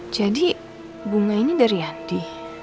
jadi bunga ini dari andi